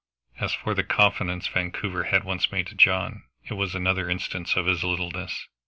As for the confidence Vancouver had once made to John, it was another instance of his littleness.